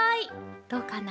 どうかな？